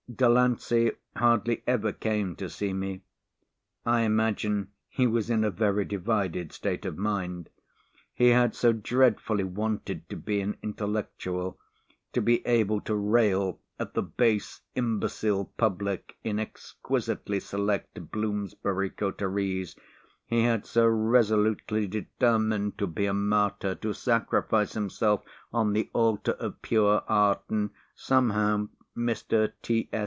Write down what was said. Delancey hardly ever came to see me. I imagine he was in a very divided state of mind! He had so dreadfully wanted to be an intellectual, to be able to rail at the base imbecile public in exquisitely select Bloomsbury coteries, he had so resolutely determined to be a martyr, to sacrifice himself on the altar of pure art, and somehow Mr. T.S.